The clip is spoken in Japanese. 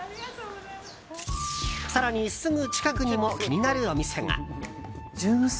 更に、すぐ近くにも気になるお店が。